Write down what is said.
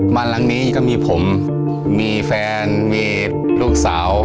บ้านหลังนี้ก็มีผมมีแฟนมีลูกสาว